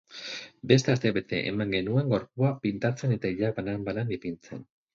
Beste astebete eman genuen gorpua pintatzen eta ileak banan banan ipintzen.